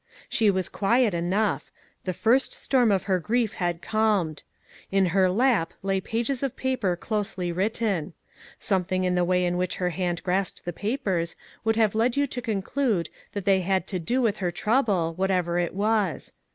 She was quiet enough; the first storm of her grief had calmed. In her lap lay pages of paper closely written. Some thing in the way in which her hand grasped the papers would have led you to conclude that they had to do with her trouble, what ever it was.